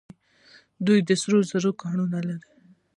دوی د سرو زرو کانونه لري.